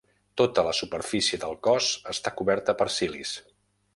Tota la superfície del cos està coberta per cilis.